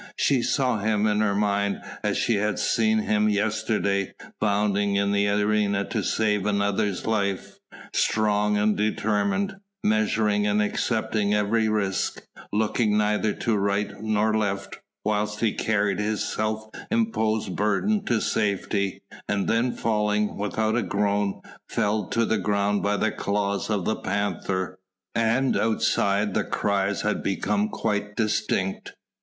She saw him in her mind as she had seen him yesterday, bounding into the arena to save another's life: strong and determined measuring and accepting every risk, looking neither to right nor left whilst he carried his self imposed burden to safety, and then falling without a groan, felled to the ground by the claws of the panther. And outside the cries had become quite distinct.